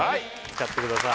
使ってください